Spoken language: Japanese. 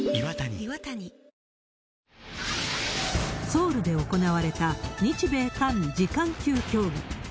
ソウルで行われた、日米韓次官級協議。